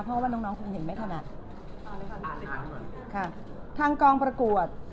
เพราะว่าน้องน้องคงเห็นไม่ถนัดค่ะทางกองประกวด